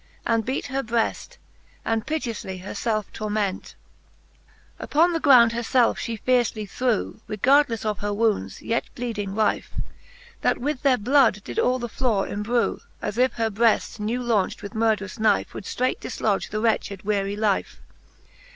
And beat her breaft, and piteoufly laer felfe torment, V. Upon the ground her felfe fhe fiercely threw, Regardlefle of her wounds, yet bleeding rife, * That with their blood did all the flore imbrew, As if her breaft, new launcht with murdrous knife. Would ftreight diflodge the wretched wearie life.